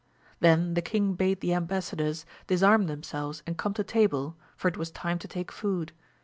Then the king bade the embassadors disarm themselves and come to table, for it was time to take food.